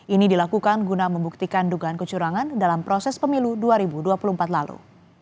ini dilakukan guna membuktikan dugaan kecurangan dalam proses pemilu dua ribu dua puluh empat lalu